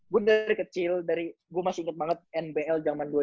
gue dari kecil gue masih inget banget nbl jaman dua ribu dua belas tuh